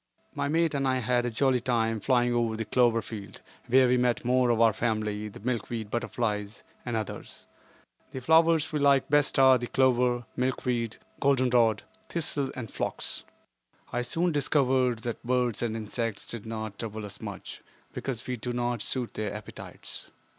My mate and I had a jolly time flying over the clover field, where we met more of our family, the milkweed butterflies, and others. The flowers we like best are the clover, milkweed, goldenrod, thistle and phlox. I soon discovered that birds and insects did not trouble us much, because we do not suit their appetites.